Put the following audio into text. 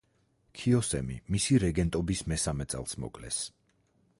ქიოსემი მისი რეგენტობის მესამე წელს მოკლეს.